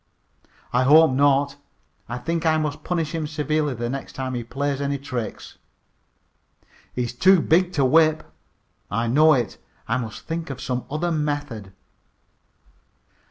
"I hope not. I think I must punish him severely the next time he plays any tricks." "He is too big to whip." "I know it. I must think of some other method."